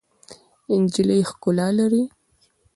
نجلۍ ښکلا لري.